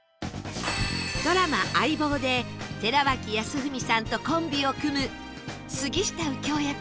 ドラマ『相棒』で寺脇康文さんとコンビを組む杉下右京役